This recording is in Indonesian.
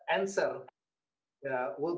akan diberikan oleh